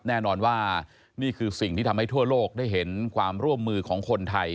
แน่นอนว่านี่คือสิ่งที่ทำให้ทั่วโลกได้เห็นความร่วมมือของคนไทย